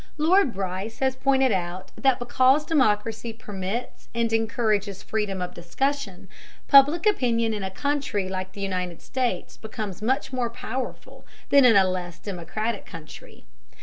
Lord Bryce has pointed out that because democracy permits and encourages freedom of discussion, Public Opinion in a country like the United States becomes much more powerful than in less democratic countries.